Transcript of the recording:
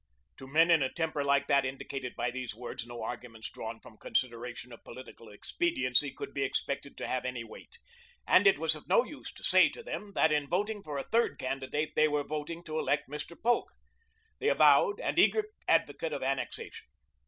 To men in a temper like that indicated by these words, no arguments drawn from consideration of political expediency could be expected to have any weight, and it was of no use to say to them that in voting for a third candidate they were voting to elect Mr. Polk, the avowed and eager advocate of annexation.